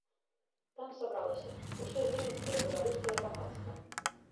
Там сабралася ўсё віленскае беларускае грамадства.